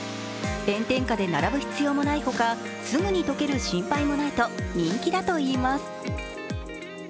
炎天下で並ぶ必要もないほか、すぐに溶ける心配もないと人気だといいます。